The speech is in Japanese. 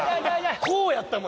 こうやったもん今。